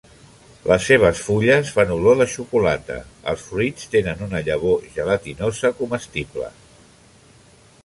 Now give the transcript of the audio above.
Les seves fulles fan olor de xocolata, els fruits tenen una llavor gelatinosa comestible.